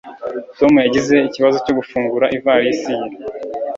tom yagize ikibazo cyo gufungura ivalisi ye